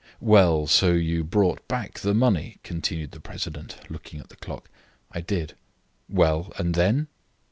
"Well, so you brought back the money," continued the president, looking at the clock. "I did." "Well, and then?"